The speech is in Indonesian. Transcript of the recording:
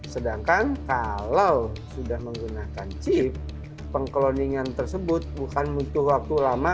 sedangkan kalau sudah menggunakan chip pengkloningan tersebut bukan butuh waktu lama